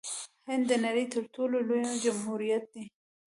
هند د نړۍ تر ټولو لوی جمهوریت دی.